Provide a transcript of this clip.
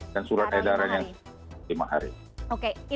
dan surat edaran yang selanjutnya lima hari